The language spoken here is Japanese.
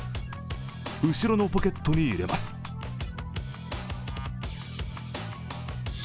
後ろのポケットに入れます。